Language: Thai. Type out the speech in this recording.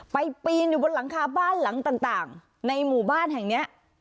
ปีนอยู่บนหลังคาบ้านหลังต่างในหมู่บ้านแห่งเนี้ย